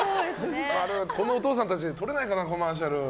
このお父さんたちで撮れないかなコマーシャル。